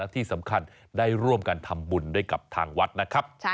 ที่สำคัญได้ร่วมกันทำบุญด้วยกับทางวัดนะครับ